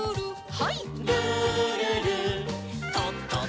はい。